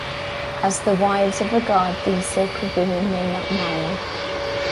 As the wives of a god, these sacred women may not marry.